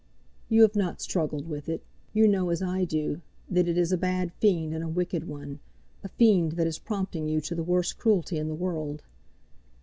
"You have not struggled with it. You know, as I do, that it is a bad fiend and a wicked one, a fiend that is prompting you to the worst cruelty in the world.